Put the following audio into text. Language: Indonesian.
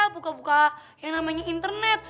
buka buka yang namanya internet